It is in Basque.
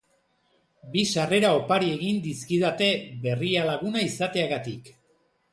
Bi sarrera opari egin dizkidate Berrialaguna izateagatik.